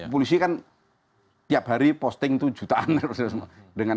polisi kan tiap hari posting itu jutaan